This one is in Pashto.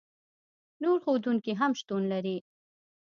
نور ښودونکي هم شتون لري.